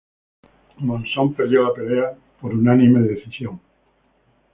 Monson perdió la pelea por decisión unánime.